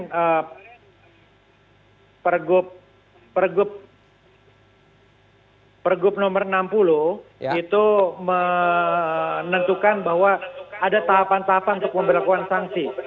nah pergub nomor enam puluh itu menentukan bahwa ada tahapan tahapan untuk memperlakuan sanksi